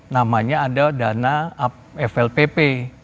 namanya ada dana flpp